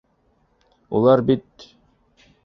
Улар бит...